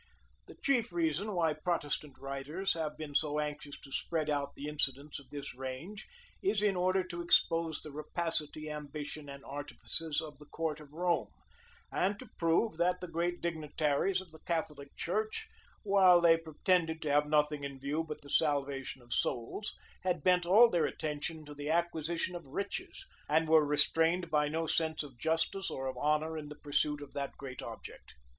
The chief reason why Protestant writers have been so anxious to spread out the incidents of this reign, is in order to expose the rapacity, ambition, and artifices of the court of Rome, and to prove, that the great dignitaries of the Catholic church, while they pretended to have nothing in view but the salvation of souls, had bent all their attention to the acquisition of riches, and were restrained by no sense of justice or of honor in the pursuit of that great object.